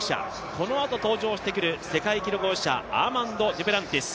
このあと登場してくる世界記録保持者アーマンド・デュプランティス。